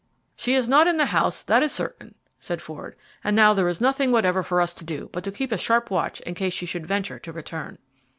"She is not in the house, that is certain," said Ford; "and now there is nothing whatever for us to do but to keep a sharp watch in case she should venture to return."